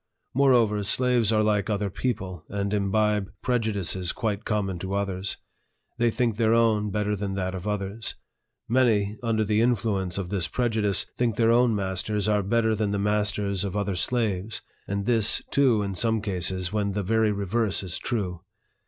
Moreover, slaves are like other people, and imbibe prejudices quite common to others. They think their own better than that of others. Many, under the influ ence of this prejudice, think their own masters are better than the masters of other slaves ; and this, too, in some cases, when the very reverse is true.